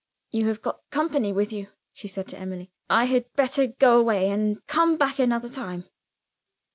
"You have got company with you," she said to Emily. "I had better go away, and come back another time."